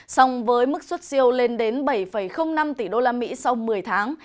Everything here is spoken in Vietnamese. song với mức xuất siêu lên đến bảy năm tỷ usd sau một mươi tháng